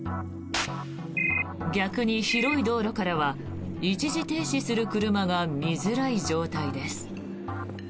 逆に広い道路からは一時停止する車が見づらい状態です。